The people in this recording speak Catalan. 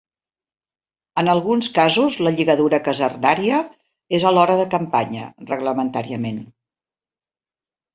En alguns casos, la lligadura casernària és alhora de campanya, reglamentàriament.